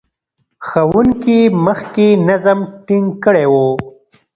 ښوونکي مخکې نظم ټینګ کړی و.